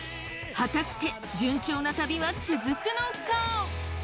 果たして順調な旅は続くのか？